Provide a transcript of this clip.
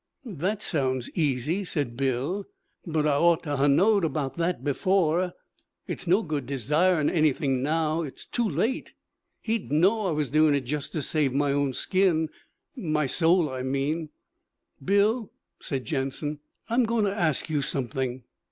'That sounds easy,' said Bill. 'But I ought to ha' knowed about that before. It's no good desirin' anything now. It's too late. He'd know I was doin' it just to save my own skin my soul, I mean.' 'Bill,' said Jansen. 'I'm goin' to ask you something.'